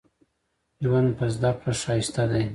ژوند په زده کړه ښايسته دې